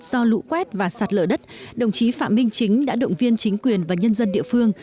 do lũ quét và sạt lở đất đồng chí phạm minh chính đã động viên chính quyền và nhân dân địa phương